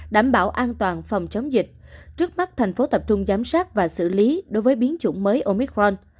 đảm bảo an toàn phòng chống dịch trước mắt thành phố tập trung giám sát và xử lý đối với biến chủng mới omicron